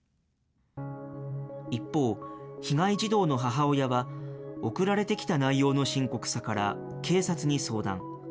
一方、被害児童の母親は、送られてきた内容の深刻さから、警察に相談。